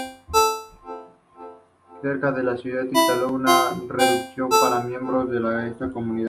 Cerca de esta ciudad se instaló una reducción para miembros de esta comunidad.